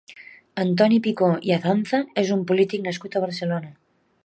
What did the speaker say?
Antoni Picó i Azanza és un polític nascut a Barcelona.